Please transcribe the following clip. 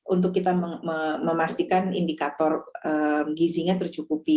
untuk kita memastikan indikator gizinya tercukupi